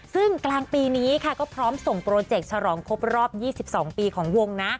ซึ่งกลางปีนี้ค่ะก็พร้อมส่งโปรเจกต์ฉลองครบรอบ๒๒ปีของวงนะ